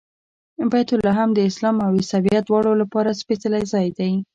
بیت لحم د اسلام او عیسویت دواړو لپاره سپېڅلی ځای دی.